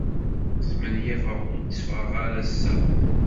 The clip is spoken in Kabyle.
Smenyafeɣ ur tteffɣeɣ ara ass-a.